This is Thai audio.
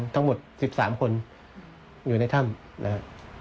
ทั้งหมด๑๓คนอยู่ในถ้ำนะครับ